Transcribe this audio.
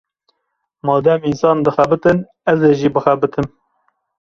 Madem însan dixebitin, ez ê jî bixebitim.